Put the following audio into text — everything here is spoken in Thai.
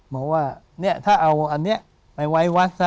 บอกว่าเนี่ยถ้าเอาอันนี้ไปไว้วัดซะ